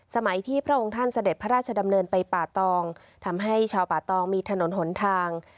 สมัยที่พระองค์ท่านเสด็จพระราชดำเนินไปป่าตองทำให้ชาวป่าตองมีถนนหนทาง